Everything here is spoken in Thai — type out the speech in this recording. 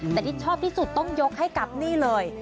แต่ที่ชอบที่สุดต้องยกให้กับนี่เลย